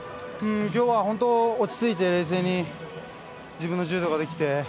今日は落ち着いて冷静に自分の柔道ができて。